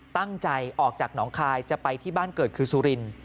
ตั้งใจออกจากหนองคายจะไปที่บ้านเกิดคือสุรินทร์